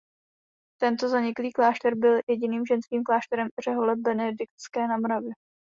Tento zaniklý klášter byl jediným ženským klášterem řehole benediktinské na Moravě.